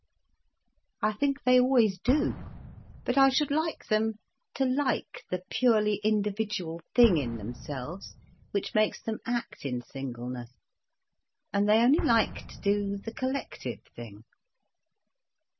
"I think they always do. But I should like them to like the purely individual thing in themselves, which makes them act in singleness. And they only like to do the collective thing."